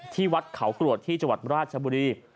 ที่วัดเขากรวดที่จังหวัดราชบุรี